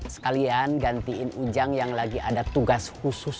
sekalian gantiin ujang yang lagi ada tugas khusus